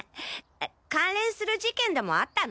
関連する事件でもあったの？